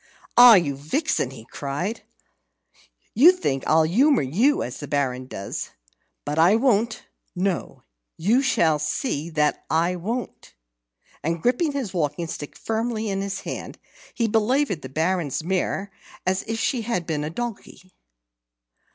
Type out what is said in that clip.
"Ah, you vixen!" he cried. "You think I'll humour you as the Baron does. But I won't no, you shall see that I won't!" And gripping his walking stick firmly in his hand, he belaboured the Baron's mare as if she had been a donkey.